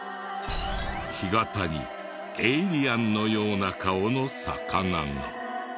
干潟にエイリアンのような顔の魚が。